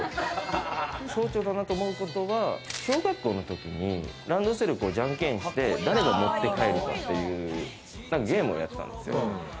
総長だなと思うことは小学校の時にランドセル、ジャンケンして誰が持って帰るかっていうゲームをやってたんですよ。